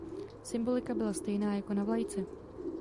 Symbolika byla stejná jako na vlajce.